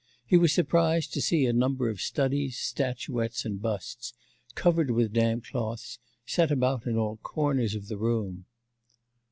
He was surprised to see a number of studies, statuettes, and busts, covered with damp cloths, set about in all the corners of the room.